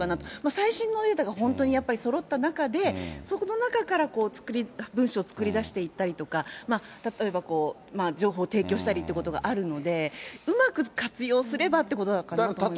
最新のデータが本当にやっぱりそろった中で、その中から作り、文章を作り出していったりとか、例えば情報を提供したりということがあるので、うまく活用すればっていうことだと思いますけれども。